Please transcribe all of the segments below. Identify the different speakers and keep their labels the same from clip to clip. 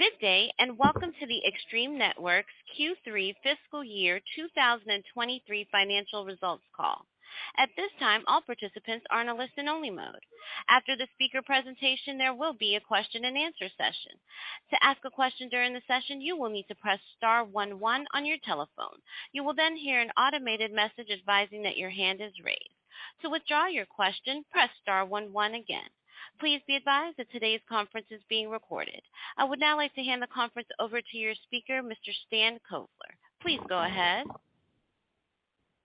Speaker 1: Good day, welcome to the Extreme Networks Q3 Fiscal Year 2023 financial results call. At this time, all participants are in a listen-only mode. After the speaker presentation, there will be a question-and-answer session. To ask a question during the session, you will need to press star one one on your telephone. You will hear an automated message advising that your hand is raised. To withdraw your question, press star one one again. Please be advised that today's conference is being recorded. I would now like to hand the conference over to your speaker, Mr. Stan Kovler. Please go ahead.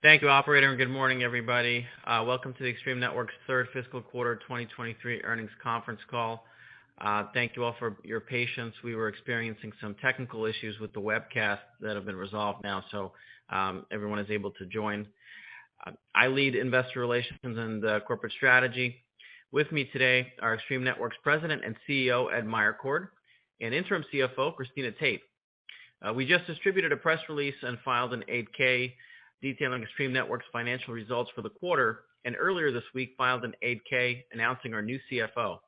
Speaker 2: Thank you, operator. Good morning, everybody. Welcome to the Extreme Networks' third fiscal quarter 2023 earnings conference call. Thank you all for your patience. We were experiencing some technical issues with the webcast that have been resolved now. Everyone is able to join. I lead investor relations and the corporate strategy. With me today are Extreme Networks President and CEO, Ed Meyercord, and Interim CFO, Cristina Tate. We just distributed a press release and filed an 8-K detailing Extreme Networks' financial results for the quarter. Earlier this week, filed an 8-K announcing our new CFO.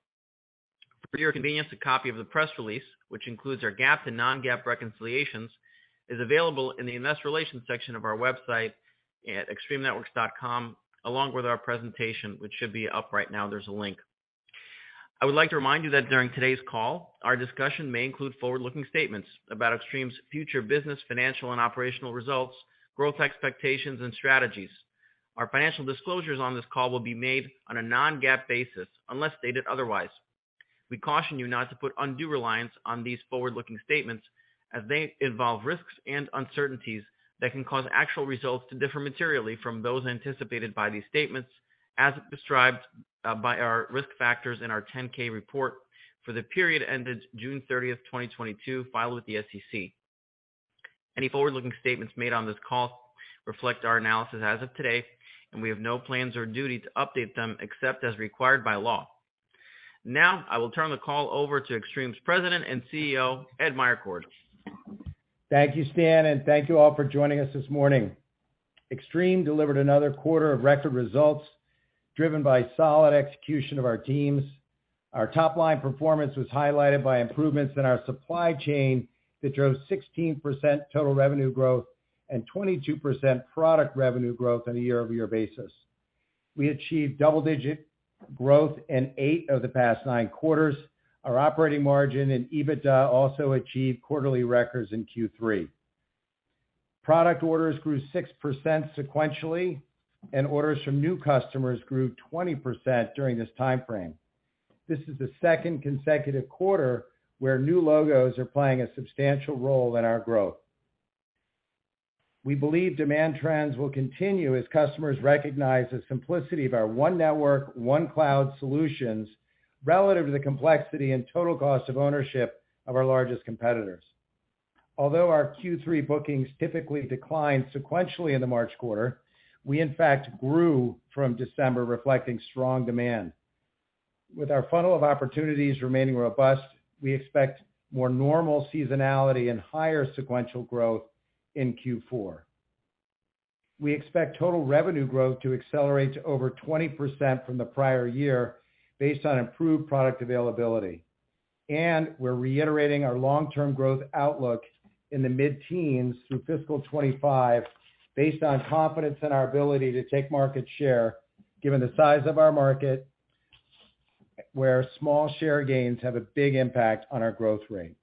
Speaker 2: For your convenience, a copy of the press release, which includes our GAAP to non-GAAP reconciliations, is available in the investor relations section of our website at extremenetworks.com, along with our presentation, which should be up right now. There's a link. I would like to remind you that during today's call, our discussion may include forward-looking statements about Extreme's future business, financial, and operational results, growth expectations, and strategies. Our financial disclosures on this call will be made on a non-GAAP basis, unless stated otherwise. We caution you not to put undue reliance on these forward-looking statements as they involve risks and uncertainties that can cause actual results to differ materially from those anticipated by these statements, as described by our risk factors in our 10-K report for the period ended June 30, 2022, filed with the SEC. Any forward-looking statements made on this call reflect our analysis as of today, and we have no plans or duty to update them except as required by law. I will turn the call over to Extreme's President and CEO, Ed Meyercord.
Speaker 3: Thank you, Stan, and thank you all for joining us this morning. Extreme delivered another quarter of record results driven by solid execution of our teams. Our top-line performance was highlighted by improvements in our supply chain that drove 16% total revenue growth and 22% product revenue growth on a year-over-year basis. We achieved double-digit growth in eight of the past nine quarters. Our operating margin and EBITDA also achieved quarterly records in Q3. Product orders grew 6% sequentially, and orders from new customers grew 20% during this timeframe. This is the second consecutive quarter where new logos are playing a substantial role in our growth. We believe demand trends will continue as customers recognize the simplicity of our One Network, One Cloud solutions relative to the complexity and total cost of ownership of our largest competitors. Although our Q3 bookings typically decline sequentially in the March quarter, we in fact grew from December, reflecting strong demand. With our funnel of opportunities remaining robust, we expect more normal seasonality and higher sequential growth in Q4. We expect total revenue growth to accelerate to over 20% from the prior year based on improved product availability. We're reiterating our long-term growth outlook in the mid-teens through fiscal 2025 based on confidence in our ability to take market share, given the size of our market, where small share gains have a big impact on our growth rate.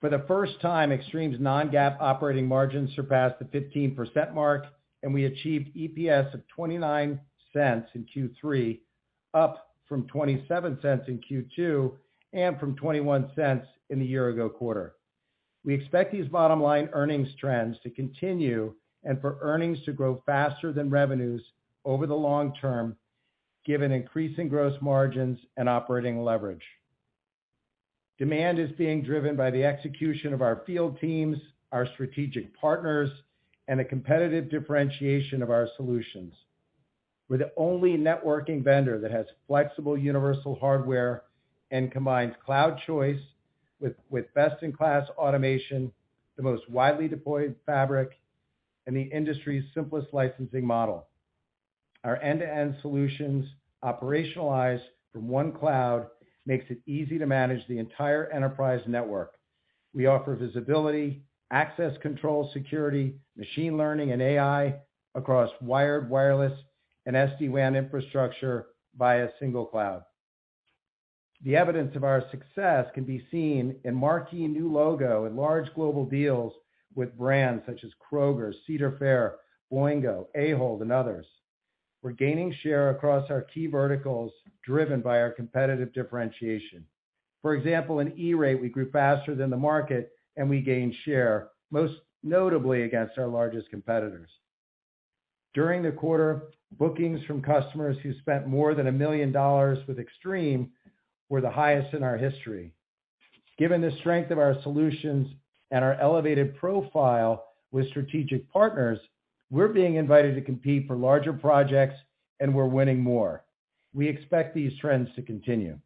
Speaker 3: For the first time, Extreme's non-GAAP operating margin surpassed the 15% mark, and we achieved EPS of $0.29 in Q3, up from $0.27 in Q2 and from $0.21 in the year ago quarter. We expect these bottom line earnings trends to continue and for earnings to grow faster than revenues over the long term, given increasing gross margins and operating leverage. Demand is being driven by the execution of our field teams, our strategic partners, and the competitive differentiation of our solutions. We're the only networking vendor that has flexible universal hardware and combines cloud choice with best-in-class automation, the most widely deployed Fabric, and the industry's simplest licensing model. Our end-to-end solutions operationalized from One Cloud makes it easy to manage the entire enterprise network. We offer visibility, access control, security, machine learning, and AI across wired, wireless, and SD-WAN infrastructure via a single cloud. The evidence of our success can be seen in marquee new logo and large global deals with brands such as Kroger, Cedar Fair, Boingo, Ahold, and others. We're gaining share across our key verticals driven by our competitive differentiation. For example, in E-Rate, we grew faster than the market. We gained share, most notably against our largest competitors. During the quarter, bookings from customers who spent more than $1 million with Extreme were the highest in our history. Given the strength of our solutions and our elevated profile with strategic partners, we're being invited to compete for larger projects. We're winning more. We expect these trends to continue.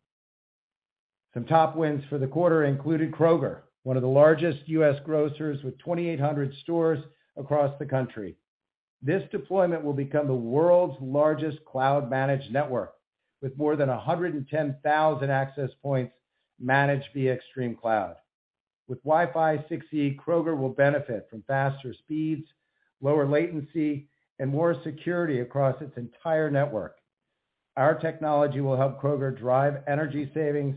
Speaker 3: Some top wins for the quarter included Kroger, one of the largest U.S. grocers with 2,800 stores across the country. This deployment will become the world's largest cloud-managed network, with more than 110,000 access points managed via ExtremeCloud. With Wi-Fi 6E, Kroger will benefit from faster speeds, lower latency, and more security across its entire network. Our technology will help Kroger drive energy savings,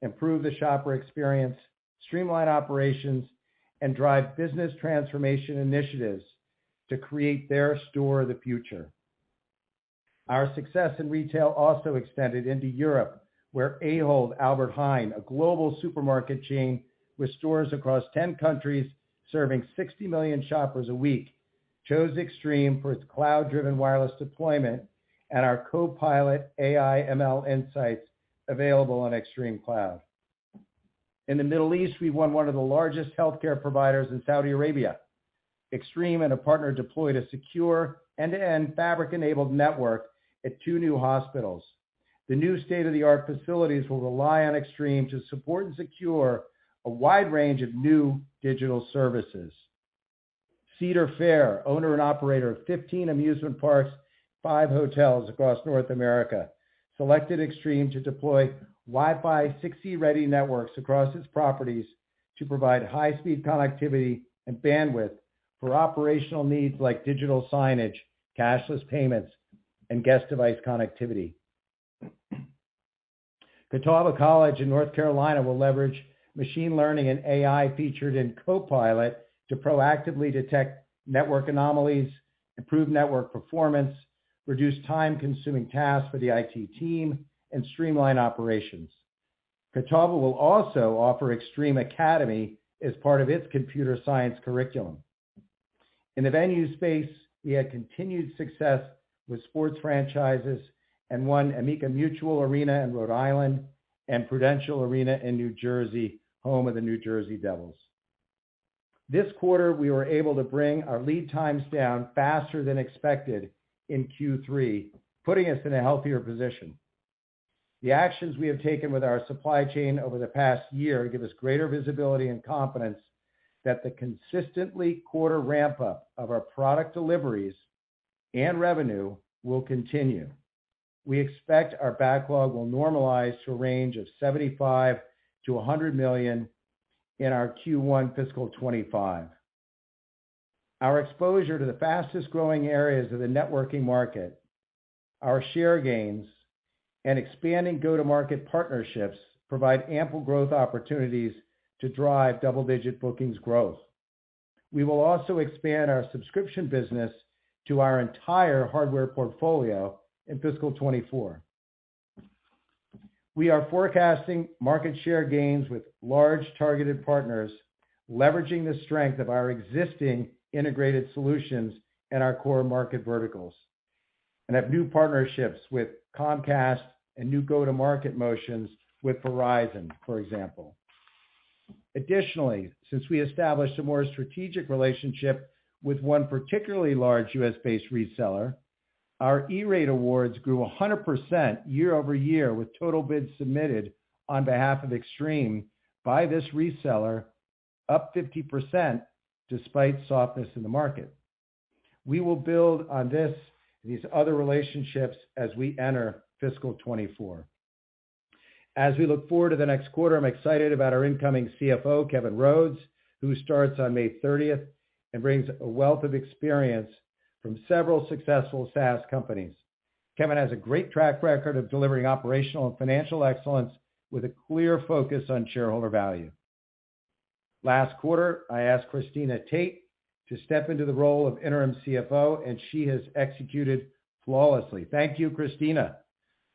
Speaker 3: improve the shopper experience, streamline operations, and drive business transformation initiatives to create their store of the future. Our success in retail also extended into Europe, where Ahold Albert Heijn, a global supermarket chain with stores across 10 countries, serving 60 million shoppers a week, chose Extreme for its cloud-driven wireless deployment and our CoPilot AI ML insights available on Extreme Cloud. In the Middle East, we won one of the largest healthcare providers in Saudi Arabia. Extreme and a partner deployed a secure end-to-end fabric-enabled network at 2 new hospitals. The new state-of-the-art facilities will rely on Extreme to support and secure a wide range of new digital services. Cedar Fair, owner and operator of 15 amusement parks, 5 hotels across North America, selected Extreme to deploy Wi-Fi 6E ready networks across its properties to provide high-speed connectivity and bandwidth for operational needs like digital signage, cashless payments, and guest device connectivity. Catawba College in North Carolina will leverage machine learning and AI featured in CoPilot to proactively detect network anomalies, improve network performance, reduce time-consuming tasks for the IT team, and streamline operations. Catawba will also offer Extreme Academy as part of its computer science curriculum. In the venue space, we had continued success with sports franchises and won Amica Mutual Pavilion in Rhode Island and Prudential Center in New Jersey, home of the New Jersey Devils. This quarter, we were able to bring our lead times down faster than expected in Q3, putting us in a healthier position. The actions we have taken with our supply chain over the past year give us greater visibility and confidence that the consistently quarter ramp-up of our product deliveries and revenue will continue. We expect our backlog will normalize to a range of $75 million-$100 million in our Q1 fiscal 2025. Our exposure to the fastest-growing areas of the networking market, our share gains, and expanding go-to-market partnerships provide ample growth opportunities to drive double-digit bookings growth. We will also expand our subscription business to our entire hardware portfolio in fiscal 2024. We are forecasting market share gains with large targeted partners, leveraging the strength of our existing integrated solutions in our core market verticals, and have new partnerships with Comcast and new go-to-market motions with Verizon, for example. Additionally, since we established a more strategic relationship with one particularly large US-based reseller, our E-Rate awards grew 100% year-over-year, with total bids submitted on behalf of Extreme by this reseller up 50% despite softness in the market. We will build on this and these other relationships as we enter fiscal 2024. As we look forward to the next quarter, I'm excited about our incoming CFO, Kevin Rhodes, who starts on May 30th and brings a wealth of experience from several successful SaaS companies. Kevin has a great track record of delivering operational and financial excellence with a clear focus on shareholder value. Last quarter, I asked Cristina Tate to step into the role of interim CFO, and she has executed flawlessly. Thank you, Cristina.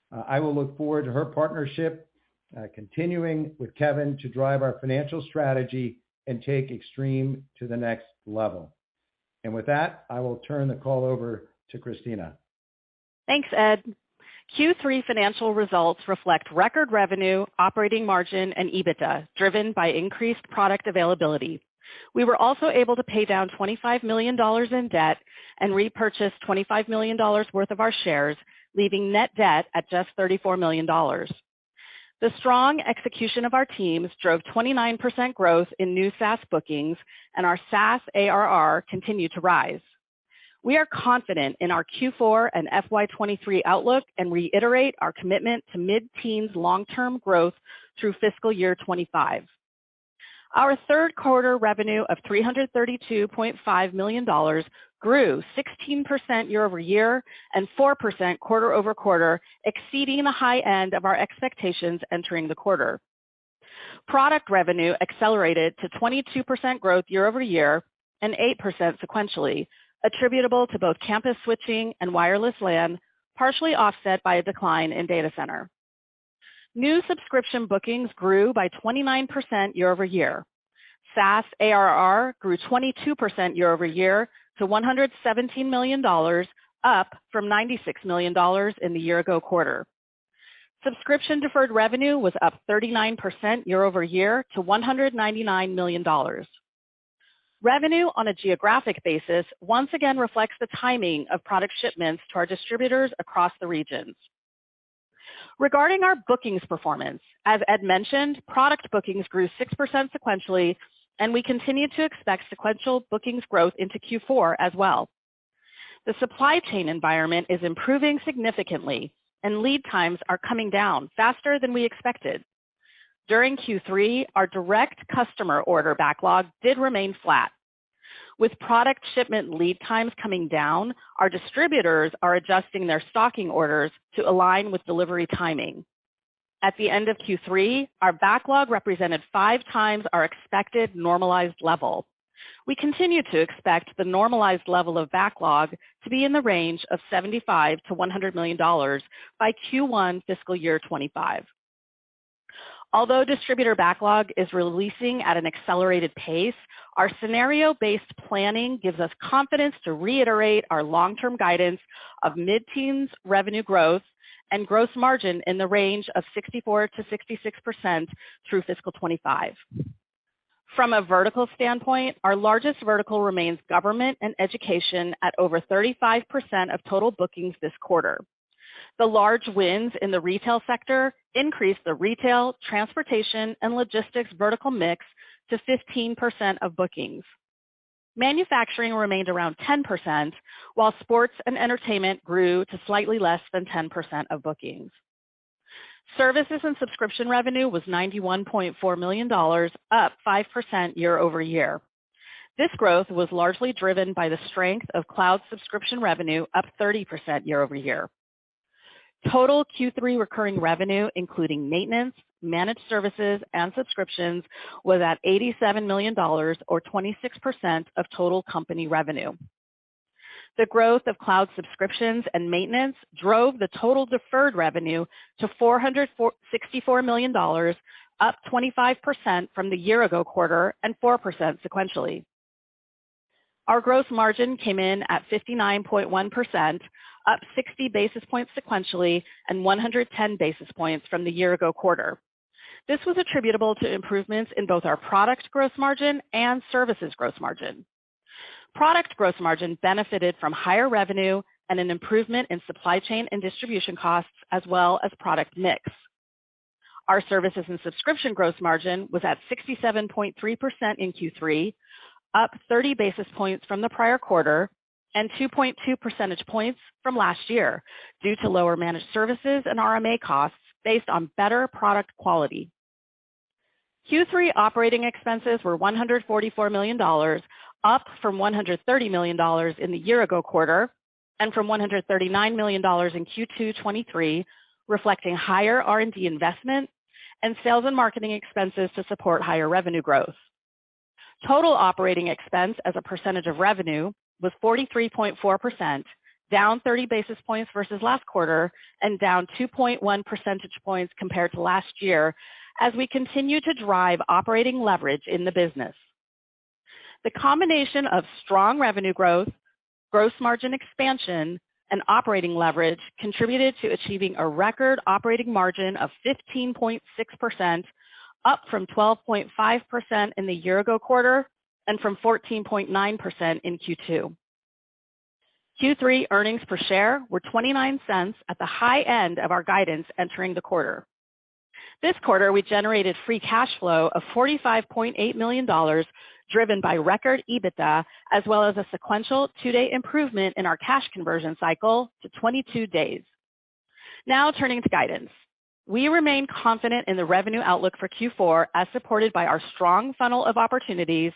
Speaker 3: I will look forward to her partnership, continuing with Kevin to drive our financial strategy and take Extreme to the next level. With that, I will turn the call over to Cristina.
Speaker 4: Thanks, Ed. Q3 financial results reflect record revenue, operating margin, and EBITDA, driven by increased product availability. We were also able to pay down $25 million in debt and repurchase $25 million worth of our shares, leaving net debt at just $34 million. The strong execution of our teams drove 29% growth in new SaaS bookings, and our SaaS ARR continued to rise. We are confident in our Q4 and FY 2023 outlooks and reiterate our commitment to mid-teens long-term growth through fiscal year 2025. Our third quarter revenue of $332.5 million grew 16% year-over-year and 4% quarter-over-quarter, exceeding the high end of our expectations entering the quarter. Product revenue accelerated to 22% growth year-over-year and 8% sequentially, attributable to both campus switching and wireless LAN, partially offset by a decline in data center. New subscription bookings grew by 29% year-over-year. SaaS ARR grew 22% year-over-year to $117 million, up from $96 million in the year ago quarter. Subscription deferred revenue was up 39% year-over-year to $199 million. Revenue on a geographic basis once again reflects the timing of product shipments to our distributors across the regions. Regarding our bookings performance, as Ed mentioned, product bookings grew 6% sequentially, and we continue to expect sequential bookings growth into Q4 as well. The supply chain environment is improving significantly and lead times are coming down faster than we expected. During Q3, our direct customer order backlog did remain flat. With product shipment lead times coming down, our distributors are adjusting their stocking orders to align with delivery timing. At the end of Q3, our backlog represented five times our expected normalized level. We continue to expect the normalized level of backlog to be in the range of $75 million-$100 million by Q1 fiscal year 2025. Distributor backlog is releasing at an accelerated pace, our scenario-based planning gives us confidence to reiterate our long-term guidance of mid-teens revenue growth and gross margin in the range of 64%-66% through fiscal 2025. From a vertical standpoint, our largest vertical remains government and education at over 35% of total bookings this quarter. The large wins in the retail sector increased the retail, transportation, and logistics vertical mix to 15% of bookings. Manufacturing remained around 10%, while sports and entertainment grew to slightly less than 10% of bookings. Services and subscription revenue was $91.4 million, up 5% year-over-year. This growth was largely driven by the strength of cloud subscription revenue, up 30% year-over-year. Total Q3 recurring revenue, including maintenance, managed services, and subscriptions, was at $87 million or 26% of total company revenue. The growth of cloud subscriptions and maintenance drove the total deferred revenue to $464 million, up 25% from the year ago quarter and 4% sequentially. Our gross margin came in at 59.1%, up 60 basis points sequentially and 110 basis points from the year ago quarter. This was attributable to improvements in both our product gross margin and services gross margin. Product gross margin benefited from higher revenue and an improvement in supply chain and distribution costs, as well as product mix. Our services and subscription gross margin was at 67.3% in Q3, up 30 basis points from the prior quarter and 2.2 percentage points from last year due to lower managed services and RMA costs based on better product quality. Q3 operating expenses were $144 million, up from $130 million in the year ago quarter and from $139 million in Q2 '23, reflecting higher R&D investment and sales and marketing expenses to support higher revenue growth. Total operating expense as a percentage of revenue was 43.4%, down 30 basis points versus last quarter and down 2.1 percentage points compared to last year as we continue to drive operating leverage in the business. The combination of strong revenue growth, gross margin expansion, and operating leverage contributed to achieving a record operating margin of 15.6%, up from 12.5% in the year ago quarter and from 14.9% in Q2. Q3 earnings per share were $0.29 at the high end of our guidance entering the quarter. This quarter, we generated free cash flow of $45.8 million, driven by record EBITDA as well as a sequential two-day improvement in our cash conversion cycle to 22 days. Turning to guidance. We remain confident in the revenue outlook for Q4 as supported by our strong funnel of opportunities,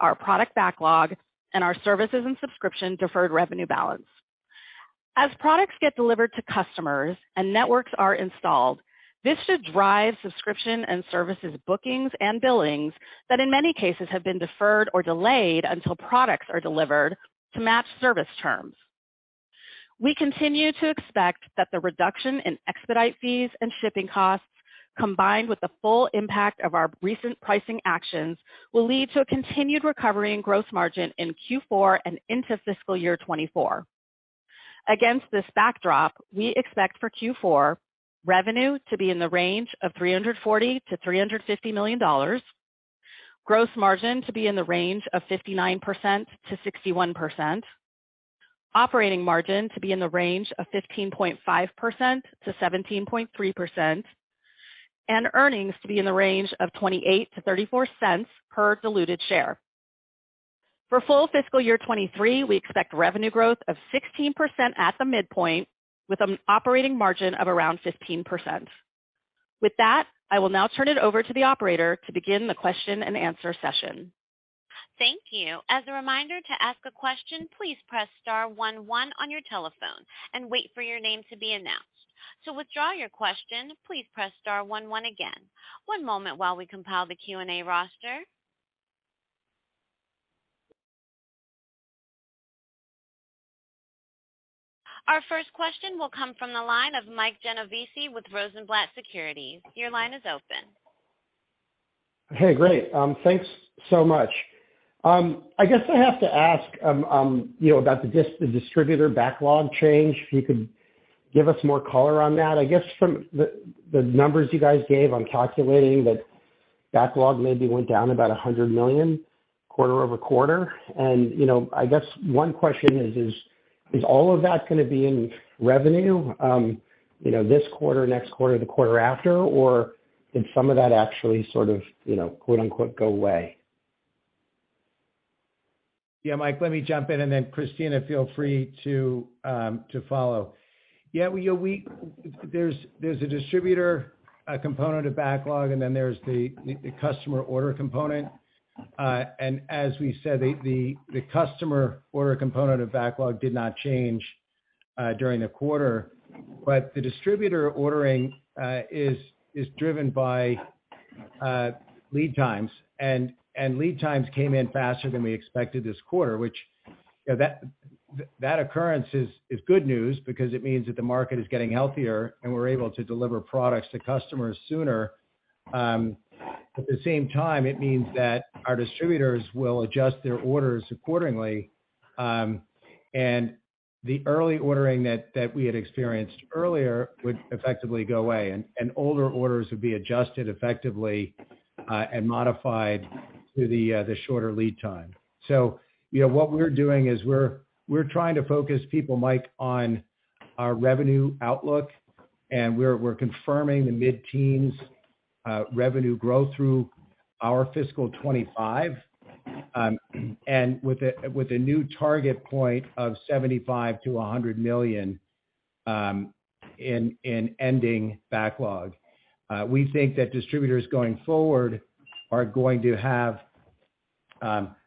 Speaker 4: our product backlog, and our services and subscription deferred revenue balance. As products get delivered to customers and networks are installed, this should drive subscription and services bookings and billings that in many cases have been deferred or delayed until products are delivered to match service terms. We continue to expect that the reduction in expedite fees and shipping costs, combined with the full impact of our recent pricing actions, will lead to a continued recovery in gross margin in Q4 and into fiscal year 2024. Against this backdrop, we expect for Q4 revenue to be in the range of $340 million-$350 million, gross margin to be in the range of 59%-61%, operating margin to be in the range of 15.5%-17.3%, and earnings to be in the range of $0.28-$0.34 per diluted share. For full fiscal year 2023, we expect revenue growth of 16% at the midpoint with an operating margin of around 15%. With that, I will now turn it over to the operator to begin the question and answer session.
Speaker 1: Thank you. As a reminder to ask a question, please press star 1 1 on your telephone and wait for your name to be announced. To withdraw your question, please press star 1 1 again. One moment while we compile the Q&A roster. Our first question will come from the line of Mike Genovese with Rosenblatt Securities. Your line is open.
Speaker 5: Great. Thanks so much. I guess I have to ask, you know, about the distributor backlog change, if you could give us more color on that? I guess from the numbers you guys gave, I'm calculating that. Backlog maybe went down about $100 million quarter-over-quarter. You know, I guess one question is all of that gonna be in revenue, you know, this quarter, next quarter, the quarter after? Did some of that actually sort of, you know, quote-unquote, go away?
Speaker 3: Yeah. Mike, let me jump in, and then Cristina, feel free to follow. Yeah, there's a distributor, a component of backlog, and then there's the customer order component. As we said, the customer order component of backlog did not change during the quarter. The distributor ordering is driven by lead times, and lead times came in faster than we expected this quarter, which, you know, that occurrence is good news because it means that the market is getting healthier, and we're able to deliver products to customers sooner. At the same time, it means that our distributors will adjust their orders accordingly. The early ordering that we had experienced earlier would effectively go away, and older orders would be adjusted effectively and modified to the shorter lead time. You know, what we're doing is we're trying to focus people, Mike, on our revenue outlook, and we're confirming the mid-teens revenue growth through our fiscal 2025, and with a new target point of $75 million-$100 million in ending backlog. We think that distributors going forward are going to have.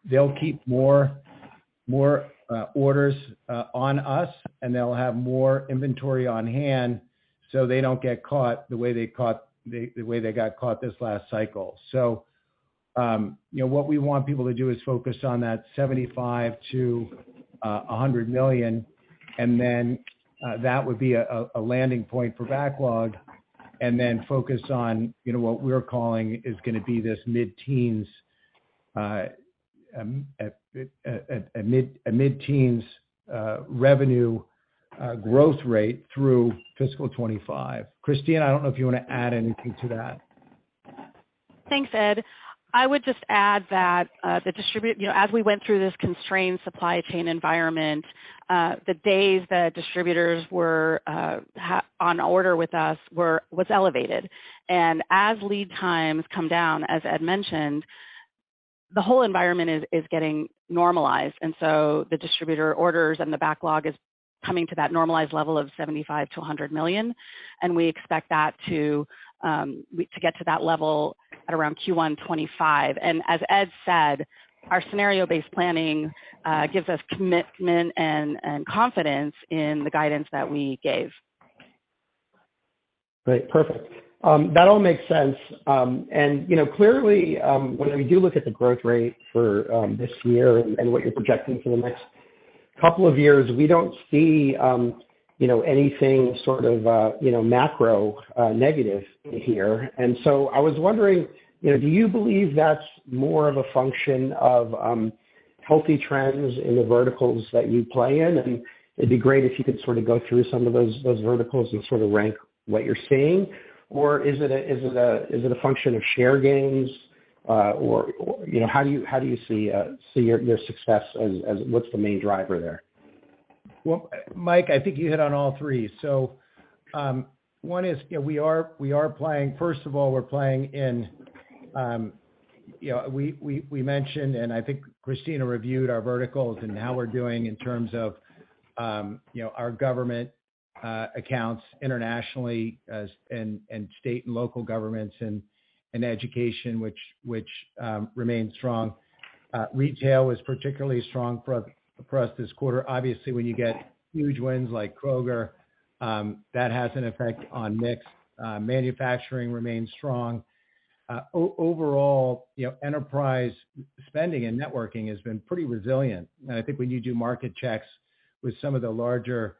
Speaker 3: They'll keep more orders on us, and they'll have more inventory on hand so they don't get caught the way they got caught this last cycle. you know, what we want people to do is focus on that $75 million-$100 million, that would be a landing point for backlog. Focus on, you know, what we're calling is gonna be this mid-teens revenue growth rate through fiscal 2025. Cristina, I don't know if you wanna add anything to that.
Speaker 4: Thanks, Ed. I would just add that, you know, as we went through this constrained supply chain environment, the days that distributors were on order with us was elevated. As lead times come down, as Ed mentioned, the whole environment is getting normalized. The distributor orders and the backlog is coming to that normalized level of $75 million-$100 million, and we expect that to get to that level at around Q1 2025. As Ed said, our scenario-based planning gives us commitment and confidence in the guidance that we gave.
Speaker 5: Great. Perfect. That all makes sense. You know, clearly, when we do look at the growth rate for this year and what you're projecting for the next couple of years, we don't see, you know, anything sort of, you know, macro negative here. I was wondering, you know, do you believe that's more of a function of healthy trends in the verticals that you play in? It'd be great if you could sort of go through some of those verticals and sort of rank what you're seeing. Is it a function of share gains? You know, how do you see your success as what's the main driver there?
Speaker 3: Well, Mike, I think you hit on all three. One is, you know, we are playing. First of all, we're playing in, you know, we mentioned, and I think Cristina reviewed our verticals and how we're doing in terms of, you know, our government accounts internationally and state and local governments and education, which remains strong. Retail was particularly strong for us this quarter. Obviously, when you get huge wins like Kroger, that has an effect on mix. Manufacturing remains strong. Overall, you know, enterprise spending and networking has been pretty resilient. I think when you do market checks with some of the larger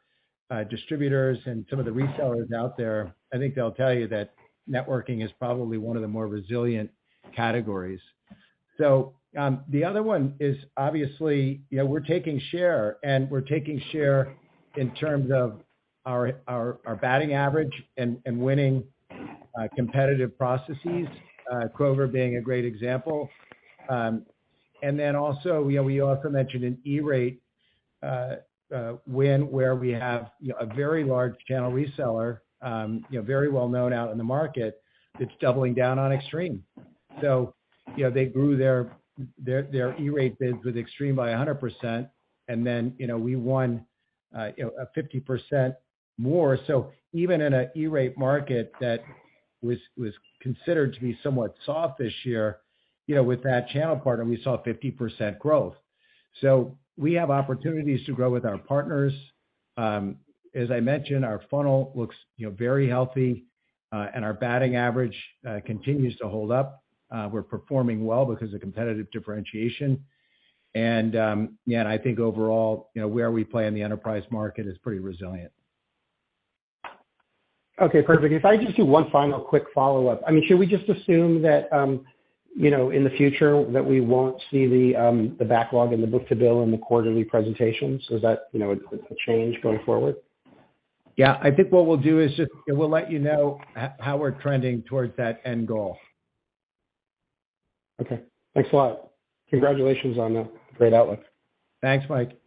Speaker 3: distributors and some of the resellers out there, I think they'll tell you that networking is probably one of the more resilient categories. The other one is, obviously, you know, we're taking share, and we're taking share in terms of our batting average and winning competitive processes, Kroger being a great example. We also mentioned in E-Rate win where we have, you know, a very large channel reseller, you know, very well known out in the market, that's doubling down on Extreme. You know, they grew their E-Rate bid with Extreme by 100% and then, you know, we won, you know, a 50% more. Even in an E-Rate market that was considered to be somewhat soft this year, you know, with that channel partner, we saw 50% growth. We have opportunities to grow with our partners. As I mentioned, our funnel looks, you know, very healthy, and our batting average continues to hold up. We're performing well because of competitive differentiation. I think overall, you know, where we play in the enterprise market is pretty resilient.
Speaker 5: Okay, perfect. If I could just do one final quick follow-up. I mean, should we just assume that, you know, in the future that we won't see the backlog and the book-to-bill in the quarterly presentation? Is that, you know, a change going forward?
Speaker 3: Yeah, I think what we'll do is just we'll let you know how we're trending towards that end goal.
Speaker 5: Okay, thanks a lot. Congratulations on the great outlook.
Speaker 3: Thanks, Mike.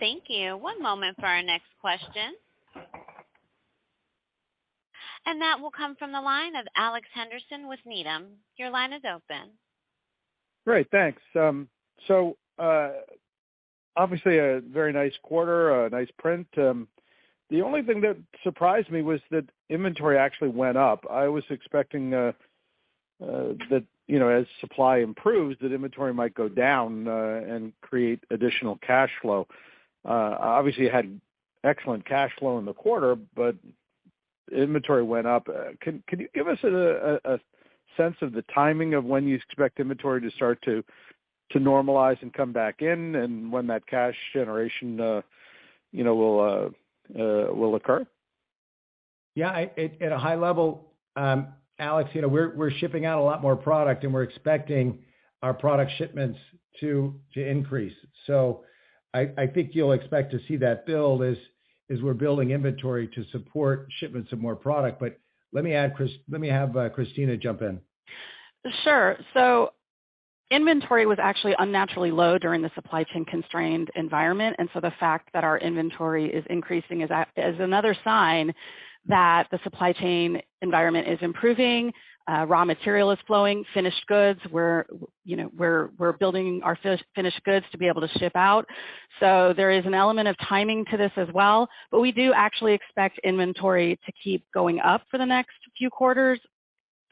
Speaker 1: Thank you. One moment for our next question. That will come from the line of Alex Henderson with Needham. Your line is open.
Speaker 6: Great, thanks. Obviously a very nice quarter, a nice print. The only thing that surprised me was that inventory actually went up. I was expecting that, you know, as supply improves, that inventory might go down and create additional cash flow. You had excellent cash flow in the quarter, but inventory went up. Can you give us a sense of the timing of when you expect inventory to start to normalize and come back in and when that cash generation, you know, will occur?
Speaker 3: Yeah, at a high level, Alex, you know, we're shipping out a lot more product. We're expecting our product shipments to increase. I think you'll expect to see that build as we're building inventory to support shipments of more product. Let me have Cristina jump in.
Speaker 4: Sure. Inventory was actually unnaturally low during the supply chain constrained environment. The fact that our inventory is increasing is another sign that the supply chain environment is improving, raw material is flowing, finished goods. We're, you know, building our finished goods to be able to ship out. There is an element of timing to this as well, but we do actually expect inventory to keep going up for the next few quarters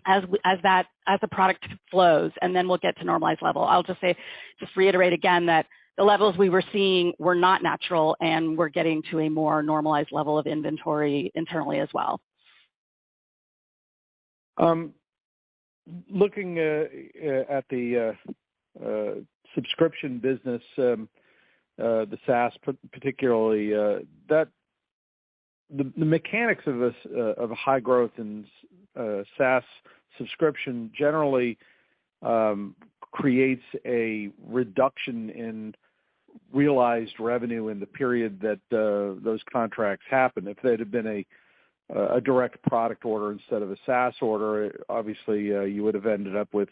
Speaker 4: as the product flows, and then we'll get to normalized level. I'll just say, reiterate again, that the levels we were seeing were not natural. We're getting to a more normalized level of inventory internally as well.
Speaker 6: Looking at the subscription business, the SaaS particularly, that the mechanics of this of a high growth and SaaS subscription generally creates a reduction in realized revenue in the period that those contracts happen. If there had been a direct product order instead of a SaaS order, obviously, you would have ended up with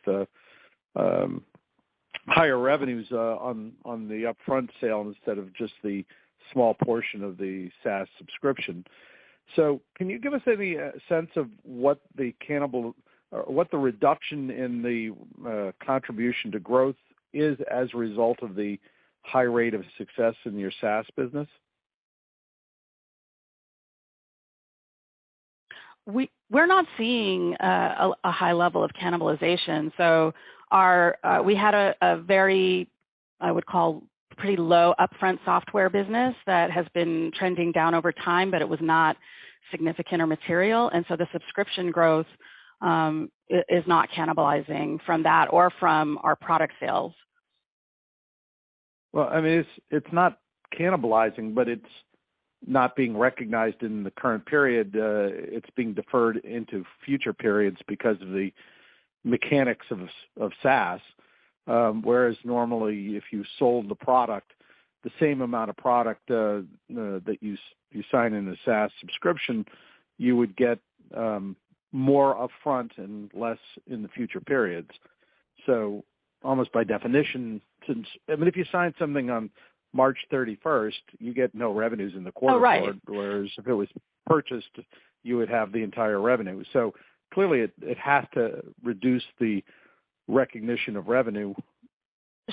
Speaker 6: higher revenues on the upfront sale instead of just the small portion of the SaaS subscription. Can you give us any sense of what the reduction in the contribution to growth is as a result of the high rate of success in your SaaS business?
Speaker 4: We're not seeing a high level of cannibalization. Our, we had a very, I would call, pretty low upfront software business that has been trending down over time, but it was not significant or material. The subscription growth is not cannibalizing from that or from our product sales.
Speaker 6: Well, I mean, it's not cannibalizing, but it's not being recognized in the current period. It's being deferred into future periods because of the mechanics of SaaS. Whereas normally if you sold the product, the same amount of product that you sign in a SaaS subscription, you would get more upfront and less in the future periods. Almost by definition, since... I mean, if you sign something on March 31st, you get no revenues in the quarter.
Speaker 4: Oh, right.
Speaker 6: Whereas if it was purchased, you would have the entire revenue. Clearly it has to reduce the recognition of revenue.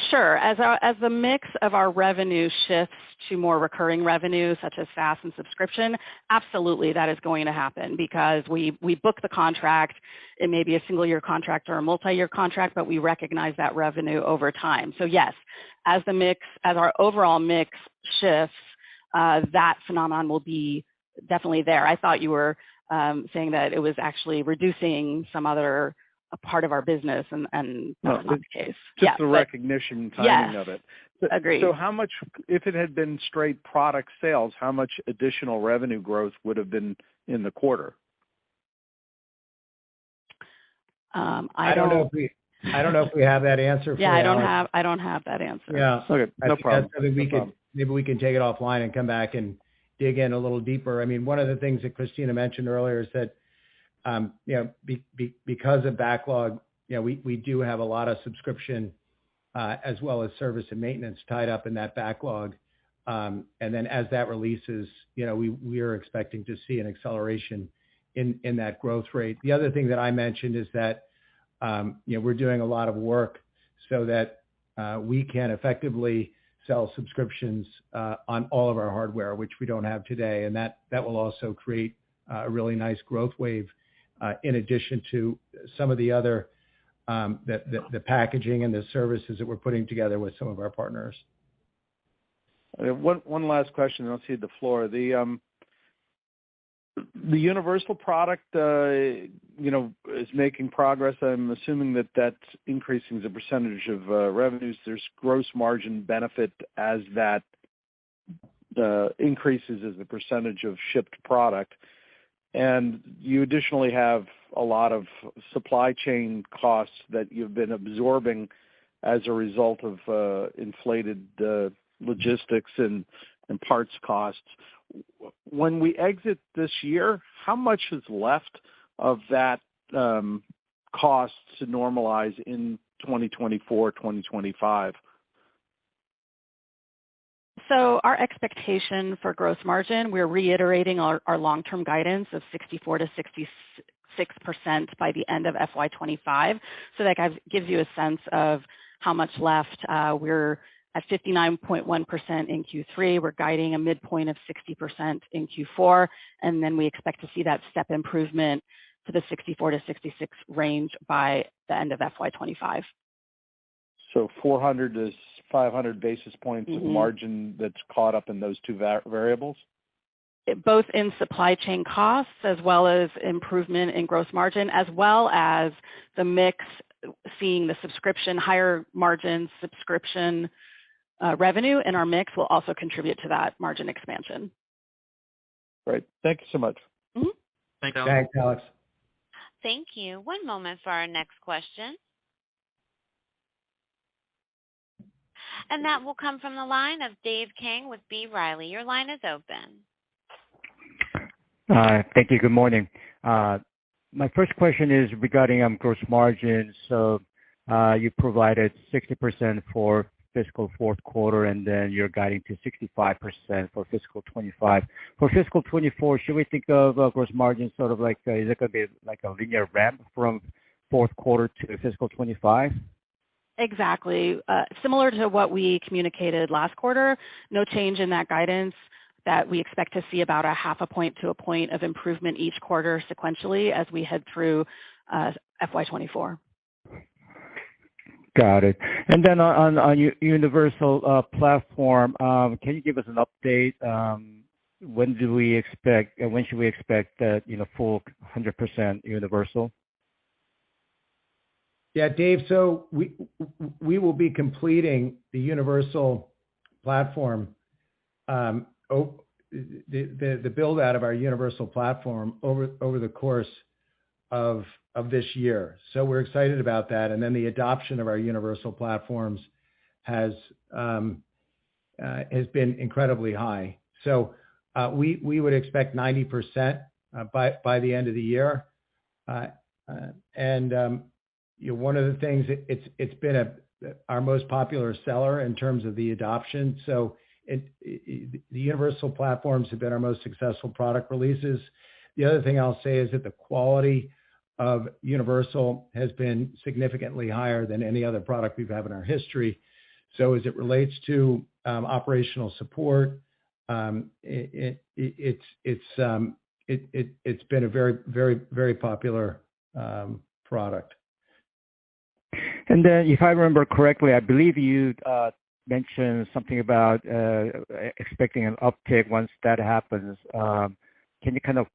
Speaker 4: Sure. As the mix of our revenue shifts to more recurring revenue such as SaaS and subscription, absolutely that is going to happen because we book the contract. It may be a single year contract or a multi-year contract, but we recognize that revenue over time. Yes, as our overall mix shifts, that phenomenon will be definitely there. I thought you were saying that it was actually reducing some other part of our business and that's not the case. Yeah.
Speaker 6: Just the recognition timing of it.
Speaker 4: Yes. Agreed.
Speaker 6: How much if it had been straight product sales, how much additional revenue growth would have been in the quarter?
Speaker 4: Um, I don't-
Speaker 3: I don't know if we have that answer for you.
Speaker 4: Yeah. I don't have that answer.
Speaker 3: Yeah.
Speaker 6: Okay. No problem. No problem.
Speaker 3: I think maybe we can take it offline and come back and dig in a little deeper. I mean, one of the things that Cristina mentioned earlier is that, you know, because of backlog, you know, we do have a lot of subscription, as well as service and maintenance tied up in that backlog. As that releases, you know, we are expecting to see an acceleration in that growth rate. The other thing that I mentioned is that, you know, we're doing a lot of work so that, we can effectively sell subscriptions, on all of our hardware, which we don't have today, and that will also create a really nice growth wave, in addition to some of the other, the packaging and the services that we're putting together with some of our partners.
Speaker 6: One last question, and I'll cede the floor. The universal product, you know, is making progress. I'm assuming that that's increasing the percentage of revenues. There's gross margin benefit as that increases as the percentage of shipped product. You additionally have a lot of supply chain costs that you've been absorbing as a result of inflated logistics and parts costs. When we exit this year, how much is left of that cost to normalize in 2024, 2025?
Speaker 4: Our expectation for gross margin, we're reiterating our long-term guidance of 64%-66% by the end of FY 2025. That gives you a sense of how much left. We're at 59.1% in Q3. We're guiding a midpoint of 60% in Q4, we expect to see that step improvement to the 64%-66% range by the end of FY 2025.
Speaker 6: 400-500 basis points.
Speaker 4: Mm-hmm.
Speaker 6: of margin that's caught up in those two variables.
Speaker 4: Both in supply chain costs as well as improvement in gross margin, as well as the mix, seeing the subscription, higher margin subscription, revenue, and our mix will also contribute to that margin expansion.
Speaker 6: Great. Thank you so much.
Speaker 4: Mm-hmm.
Speaker 3: Thanks, Alex.
Speaker 6: Thanks, Alex.
Speaker 1: Thank you. One moment for our next question. That will come from the line of Dave Kang with B. Riley. Your line is open.
Speaker 7: Hi. Thank you. Good morning. My first question is regarding gross margins. You provided 60% for fiscal fourth quarter, and then you're guiding to 65% for fiscal 2025. For fiscal 2024, should we think of gross margin sort of like is it gonna be like a linear ramp from fourth quarter to fiscal 2025?
Speaker 4: Exactly. similar to what we communicated last quarter, no change in that guidance that we expect to see about a half a point to a point of improvement each quarter sequentially as we head through FY 2024.
Speaker 7: Got it. On universal platform, can you give us an update? When should we expect that, you know, full 100% universal?
Speaker 3: Yeah. Dave, we will be completing the universal platform, the build out of our universal platform over the course of this year. We're excited about that. The adoption of our universal platforms has been incredibly high. We would expect 90% by the end of the year. You know, one of the things it's been our most popular seller in terms of the adoption. The universal platforms have been our most successful product releases. The other thing I'll say is that the quality of universal has been significantly higher than any other product we've had in our history. As it relates to operational support, it's been a very popular product.
Speaker 7: If I remember correctly, I believe you mentioned something about expecting an uptick once that happens. Can you kind of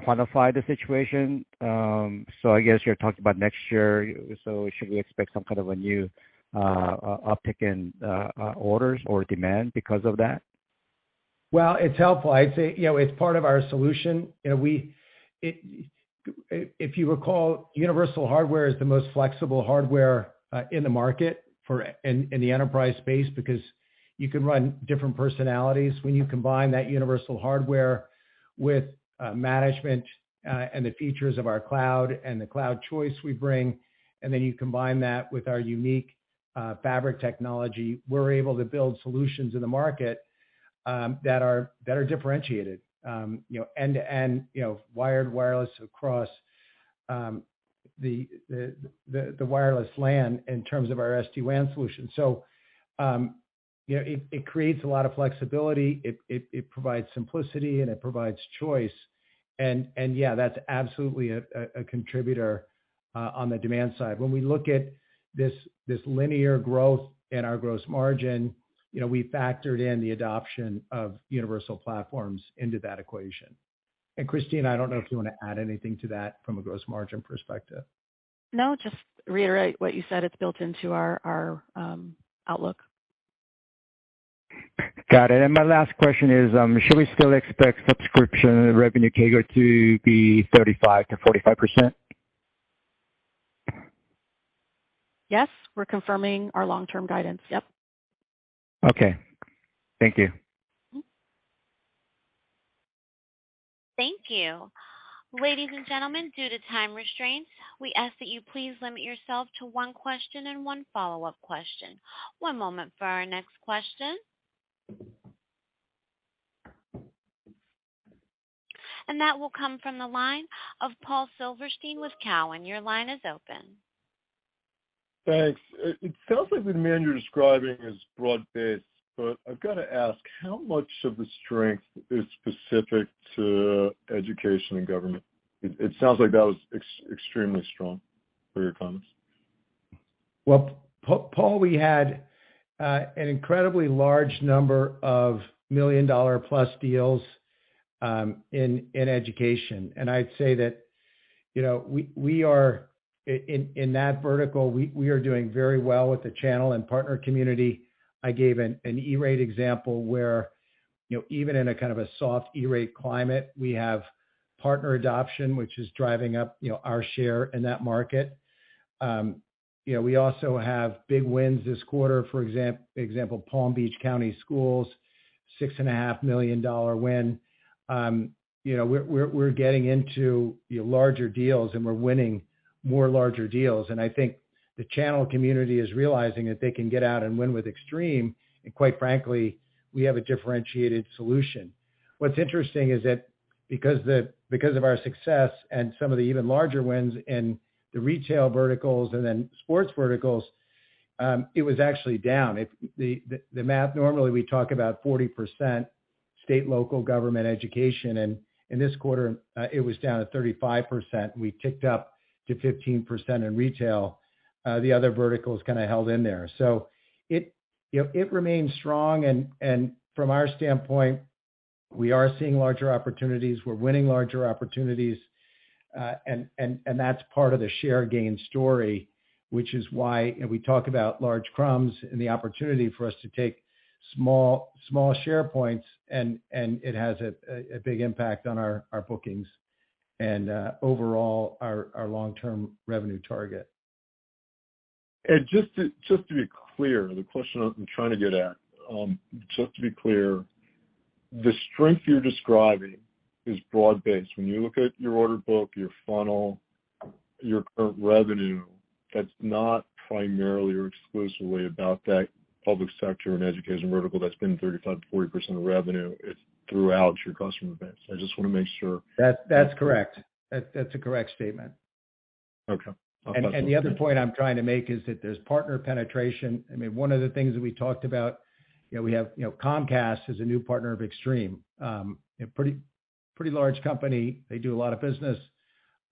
Speaker 7: quantify the situation? I guess you're talking about next year. Should we expect some kind of a new uptick in orders or demand because of that?
Speaker 3: Well, it's helpful. I'd say, you know, it's part of our solution. You know, if you recall, universal hardware is the most flexible hardware in the market in the enterprise space because you can run different personalities. When you combine that universal hardware with management and the features of our cloud and the cloud choice we bring, then you combine that with our unique fabric technology, we're able to build solutions in the market that are differentiated. You know, end-to-end, you know, wired wireless across the wireless LAN in terms of our SD-WAN solution. It creates a lot of flexibility, it provides simplicity, and it provides choice. Yeah, that's absolutely a contributor on the demand side. When we look at this linear growth and our gross margin, you know, we factored in the adoption of universal platforms into that equation. Cristina, I don't know if you want to add anything to that from a gross margin perspective?
Speaker 4: No, just to reiterate what you said, it's built into our outlook.
Speaker 7: Got it. My last question is, should we still expect subscription revenue CAGR to be 35%-45%?
Speaker 4: Yes. We're confirming our long-term guidance. Yep.
Speaker 7: Okay. Thank you.
Speaker 4: Mm-hmm.
Speaker 1: Thank you. Ladies and gentlemen, due to time restraints, we ask that you please limit yourself to one question and one follow-up question. One moment for our next question. That will come from the line of Paul Silverstein with Cowen. Your line is open.
Speaker 8: Thanks. It sounds like the demand you're describing is broad-based, but I've got to ask, how much of the strength is specific to education and government? It sounds like that was extremely strong from your comments.
Speaker 3: Well, Paul, we had an incredibly large number of million-dollar-plus deals in education, I'd say that. You know, we are in that vertical, we are doing very well with the channel and partner community. I gave an E-Rate example where, you know, even in a kind of a soft E-Rate climate, we have partner adoption, which is driving up, you know, our share in that market. You know, we also have big wins this quarter, for example, Palm Beach County Schools, $6 and a half million dollar win. You know, we're getting into larger deals, we're winning more larger deals. I think the channel community is realizing that they can get out and win with Extreme, quite frankly, we have a differentiated solution. What's interesting is that because of our success and some of the even larger wins in the retail verticals and then sports verticals, it was actually down. The math, normally we talk about 40% state, local government education, and in this quarter, it was down to 35%. We ticked up to 15% in retail. The other verticals kinda held in there. It, you know, it remains strong and from our standpoint, we are seeing larger opportunities. We're winning larger opportunities, and that's part of the share gain story, which is why, you know, we talk about large crumbs and the opportunity for us to take small share points and it has a big impact on our bookings and overall our long-term revenue target.
Speaker 8: Just to be clear, the question I'm trying to get at, just to be clear, the strength you're describing is broad-based. When you look at your order book, your funnel, your current revenue, that's not primarily or exclusively about that public sector and education vertical that's been 35% to 40% of revenue. It's throughout your customer base. I just wanna make sure.
Speaker 3: That's correct. That's a correct statement.
Speaker 8: Okay.
Speaker 3: The other point I'm trying to make is that there's partner penetration. I mean, one of the things that we talked about, you know, we have, you know, Comcast is a new partner of Extreme. A pretty large company. They do a lot of business.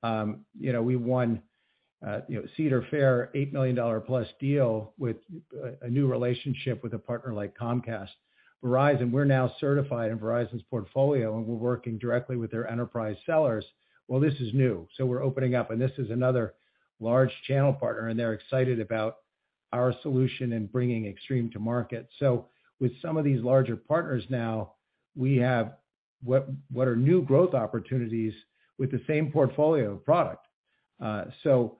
Speaker 3: You know, we won, you know, Cedar Fair, a $8 million plus deal with a new relationship with a partner like Comcast. Verizon, we're now certified in Verizon's portfolio, and we're working directly with their enterprise sellers. This is new, so we're opening up, and this is another large channel partner, and they're excited about our solution in bringing Extreme to market. With some of these larger partners now, we have what are new growth opportunities with the same portfolio of product. You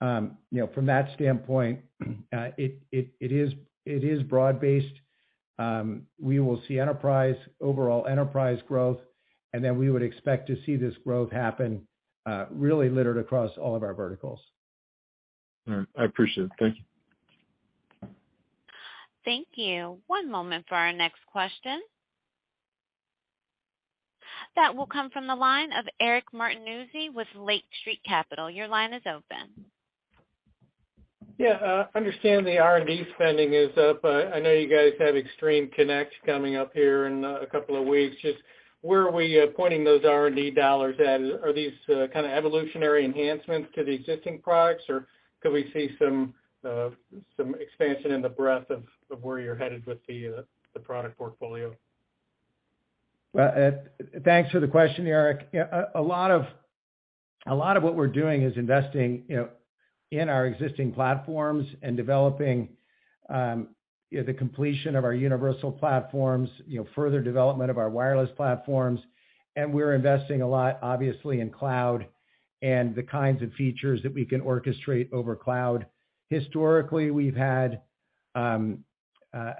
Speaker 3: know, from that standpoint, it is broad-based. We will see enterprise, overall enterprise growth, and then we would expect to see this growth happen, really littered across all of our verticals.
Speaker 8: All right. I appreciate it. Thank you.
Speaker 1: Thank you. One moment for our next question. That will come from the line of Eric Martinuzzi with Lake Street Capital. Your line is open.
Speaker 9: Yeah. I understand the R&D spending is up. I know you guys have Extreme Connect coming up here in a couple of weeks. Just where are we pointing those R&D dollars at? Are these kind of evolutionary enhancements to the existing products, or could we see some expansion in the breadth of where you're headed with the product portfolio?
Speaker 3: Well, thanks for the question, Eric. A lot of what we're doing is investing, you know, in our existing platforms and developing, you know, the completion of our universal platforms, you know, further development of our wireless platforms, and we're investing a lot, obviously, in cloud and the kinds of features that we can orchestrate over cloud. Historically, we've had a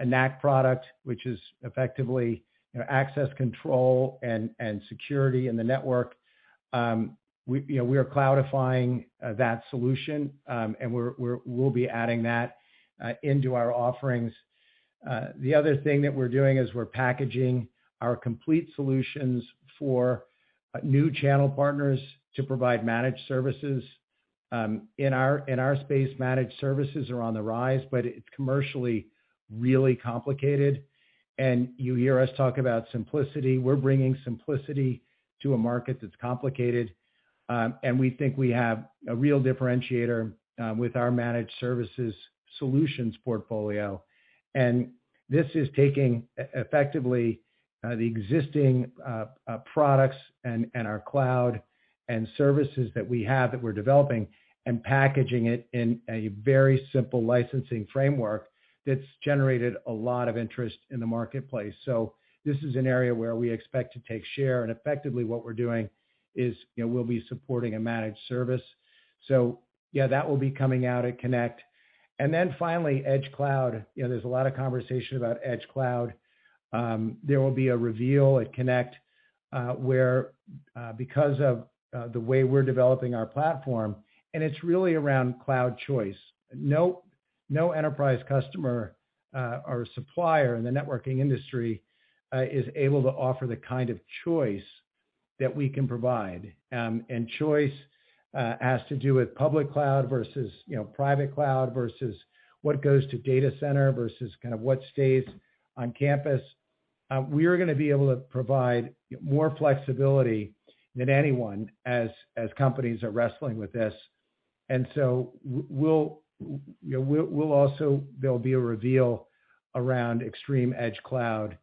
Speaker 3: NAC product, which is effectively, you know, access control and security in the network. We, you know, we are cloudifying that solution, and we'll be adding that into our offerings. The other thing that we're doing is we're packaging our complete solutions for new channel partners to provide managed services. In our space, managed services are on the rise, but it's commercially really complicated. You hear us talk about simplicity. We're bringing simplicity to a market that's complicated, and we think we have a real differentiator with our managed services solutions portfolio. This is taking effectively, the existing products and our cloud and services that we have, that we're developing, and packaging it in a very simple licensing framework that's generated a lot of interest in the marketplace. This is an area where we expect to take share, and effectively what we're doing is, you know, we'll be supporting a managed service. Yeah, that will be coming out at Connect. Finally, Edge Cloud. You know, there's a lot of conversation about Edge Cloud. There will be a reveal at Connect, where because of the way we're developing our platform, and it's really around cloud choice. No, no enterprise customer, or supplier in the networking industry, is able to offer the kind of choice that we can provide. Choice has to do with public cloud versus, you know, private cloud versus what goes to data center versus kind of what stays on campus. We are gonna be able to provide more flexibility than anyone as companies are wrestling with this. We'll also there'll be a reveal around Extreme EdgeCloud,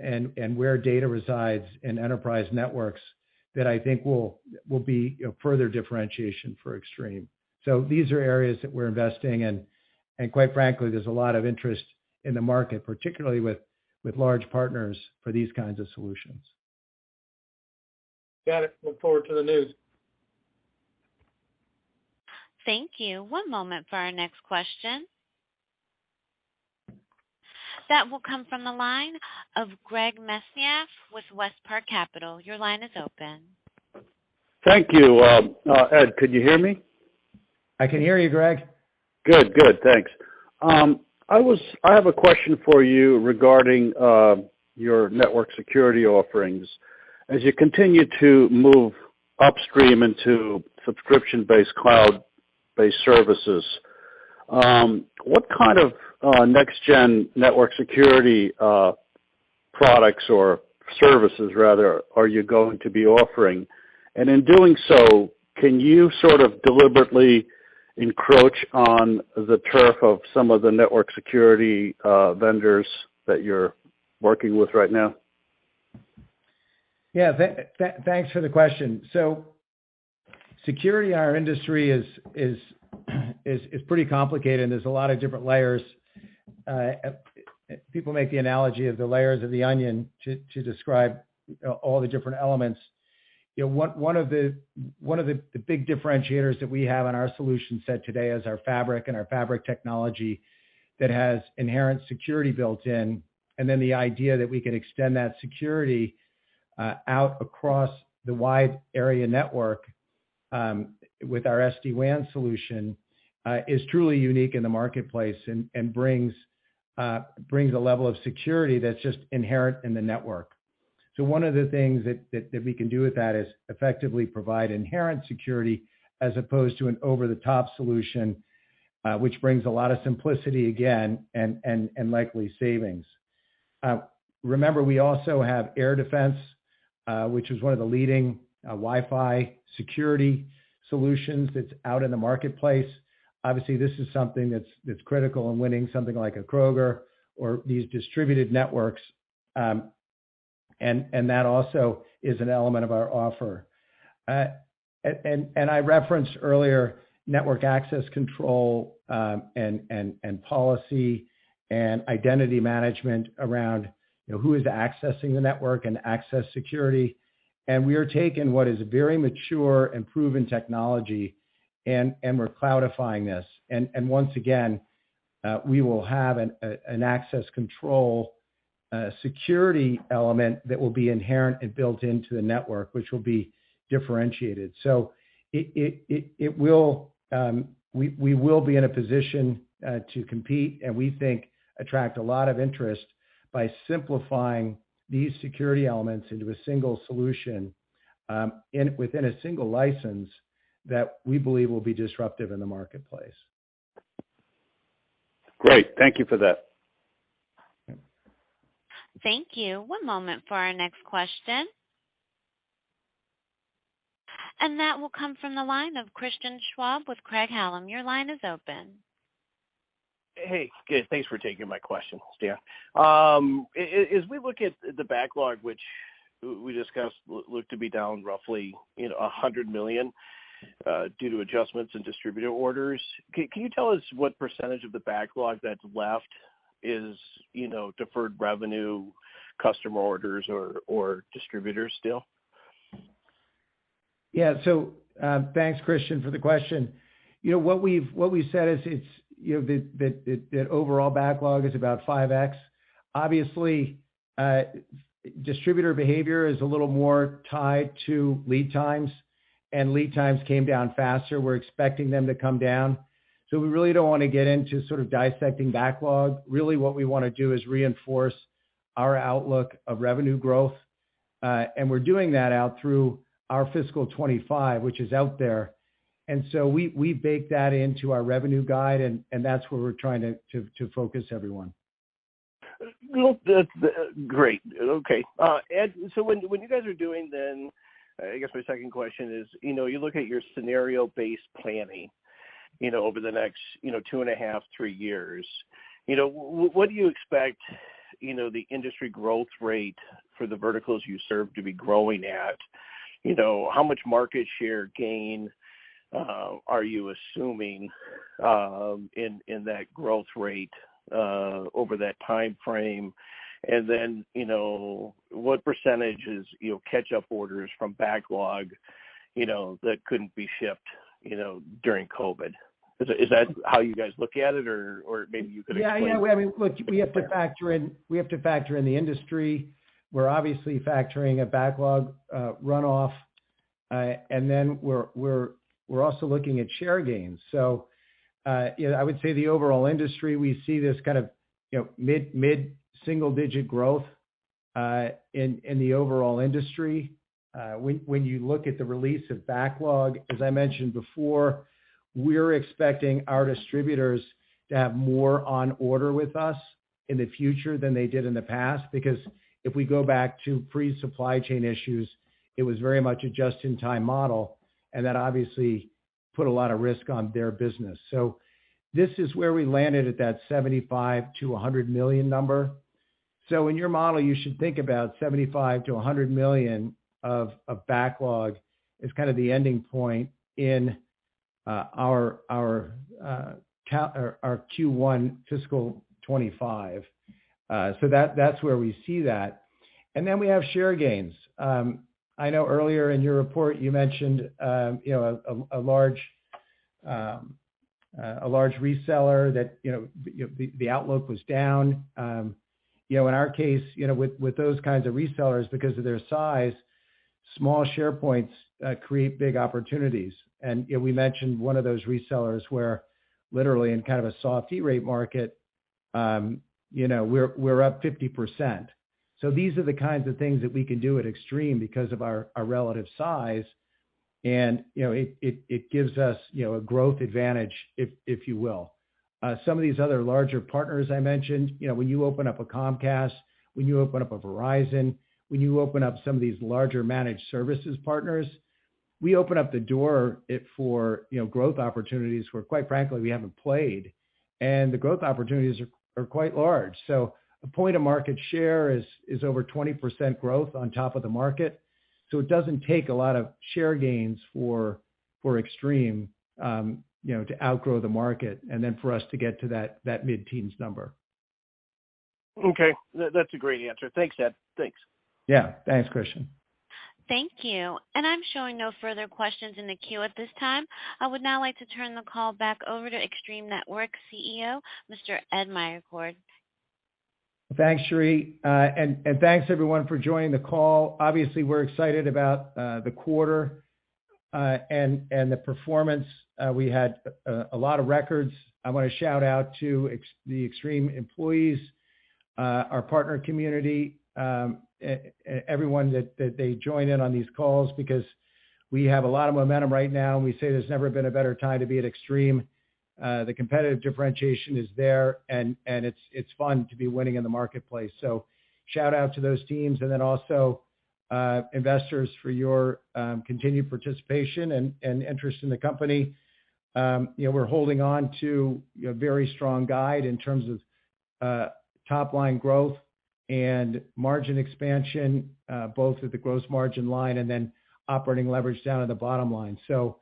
Speaker 3: and where data resides in enterprise networks that I think will be, you know, further differentiation for Extreme. These are areas that we're investing in, and quite frankly, there's a lot of interest in the market, particularly with large partners for these kinds of solutions.
Speaker 9: Got it. Look forward to the news.
Speaker 1: Thank you. One moment for our next question. That will come from the line of Greg Mesniaeff with WestPark Capital. Your line is open.
Speaker 10: Thank you. Ed, could you hear me?
Speaker 3: I can hear you, Greg.
Speaker 10: Good, good. Thanks. I have a question for you regarding your network security offerings. As you continue to move upstream into subscription-based, cloud-based services, what kind of next gen network security products or services, rather, are you going to be offering? In doing so, can you sort of deliberately encroach on the turf of some of the network security vendors that you're working with right now?
Speaker 3: Thanks for the question. Security in our industry is pretty complicated, and there's a lot of different layers. People make the analogy of the layers of the onion to describe all the different elements. You know, one of the big differentiators that we have on our solution set today is our Fabric and our Fabric technology that has inherent security built in. The idea that we could extend that security out across the wide area network with our SD-WAN solution is truly unique in the marketplace and brings a level of security that's just inherent in the network. One of the things that we can do with that is effectively provide inherent security as opposed to an over-the-top solution, which brings a lot of simplicity again, and likely savings. Remember, we also have AirDefense, which is one of the leading Wi-Fi security solutions that's out in the marketplace. Obviously, this is something that's critical in winning something like a Kroger or these distributed networks. And that also is an element of our offer. And I referenced earlier network access control, and policy and identity management around, you know, who is accessing the network and access security. And we are taking what is a very mature and proven technology, and we're cloudifying this. Once again, we will have an access control, security element that will be inherent and built into the network, which will be differentiated. It will, we will be in a position to compete and we think attract a lot of interest by simplifying these security elements into a single solution, within a single license that we believe will be disruptive in the marketplace.
Speaker 10: Great. Thank you for that.
Speaker 1: Thank you. One moment for our next question. That will come from the line of Christian Schwab with Craig-Hallum. Your line is open.
Speaker 11: Hey. Good. Thanks for taking my question, Ed. As we look at the backlog, which we discussed looked to be down roughly, you know, $100 million due to adjustments in distributor orders, can you tell us what percentage of the backlog that's left is, you know, deferred revenue, customer orders or distributors still?
Speaker 3: Thanks, Christian, for the question. You know, what we said is it's, you know, that, that overall backlog is about 5x. Obviously, distributor behavior is a little more tied to lead times, and lead times came down faster. We're expecting them to come down. We really don't wanna get into sort of dissecting backlog. Really what we wanna do is reinforce our outlook of revenue growth. We're doing that out through our fiscal 2025, which is out there. We, we bake that into our revenue guide, and that's where we're trying to focus everyone.
Speaker 11: Well, that's great. Okay. Ed, when you guys are doing then, I guess my second question is, you know, you look at your scenario-based planning, you know, over the next, you know, two and a half, three years. You know, what do you expect, you know, the industry growth rate for the verticals you serve to be growing at? You know, how much market share gain are you assuming in that growth rate over that timeframe? Then, you know, what % is, you know, catch-up orders from backlog, you know, that couldn't be shipped, you know, during COVID? Is that how you guys look at it or maybe you could explain?
Speaker 3: Yeah, yeah. I mean, look, we have to factor in the industry. We're obviously factoring a backlog runoff. We're also looking at share gains. You know, I would say the overall industry, we see this kind of, you know, mid-single digit growth in the overall industry. When you look at the release of backlog, as I mentioned before, we're expecting our distributors to have more on order with us in the future than they did in the past. If we go back to pre-supply chain issues, it was very much a just-in-time model, and that obviously put a lot of risk on their business. This is where we landed at that $75 million-$100 million number. In your model, you should think about $75 million-$100 million of backlog is kind of the ending point in our Q1 fiscal 2025. That's where we see that. We have share gains. I know earlier in your report, you mentioned, you know, a large reseller that, you know, the outlook was down. You know, in our case, you know, with those kinds of resellers, because of their size, small share points create big opportunities. You know, we mentioned one of those resellers where literally in kind of a soft E-Rate market, you know, we're up 50%. These are the kinds of things that we can do at Extreme because of our relative size, and, you know, it gives us, you know, a growth advantage, if you will. Some of these other larger partners I mentioned, you know, when you open up a Comcast, when you open up a Verizon, when you open up some of these larger managed services partners, we open up the door, it for, you know, growth opportunities where quite frankly, we haven't played. The growth opportunities are quite large. A point of market share is over 20% growth on top of the market. It doesn't take a lot of share gains for Extreme, you know, to outgrow the market and then for us to get to that mid-teens number.
Speaker 11: Okay. That's a great answer. Thanks, Ed. Thanks.
Speaker 3: Yeah. Thanks, Christian.
Speaker 1: Thank you. I'm showing no further questions in the queue at this time. I would now like to turn the call back over to Extreme Networks' CEO, Mr. Ed Meyercord.
Speaker 3: Thanks, Cherie. Thanks everyone for joining the call. Obviously, we're excited about the quarter and the performance. We had a lot of records. I wanna shout out to the Extreme employees, our partner community, everyone that they join in on these calls because we have a lot of momentum right now, and we say there's never been a better time to be at Extreme. The competitive differentiation is there and it's fun to be winning in the marketplace. Shout out to those teams, and then also investors for your continued participation and interest in the company. You know, we're holding on to a very strong guide in terms of top line growth and margin expansion, both at the gross margin line and then operating leverage down at the bottom line. You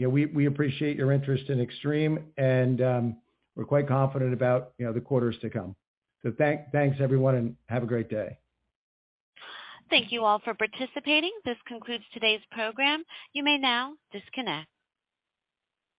Speaker 3: know, we appreciate your interest in Extreme, and we're quite confident about, you know, the quarters to come. Thanks everyone, and have a great day.
Speaker 1: Thank you all for participating. This concludes today's program. You may now disconnect.